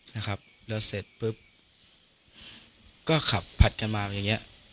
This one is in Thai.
นะครับแล้วเสร็จปุ๊บก็ขับผัดกันมาอย่างเงี้ย